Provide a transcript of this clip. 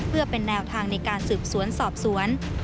เพื่อเป็นแนวทางในการสืบสวนสอบสวน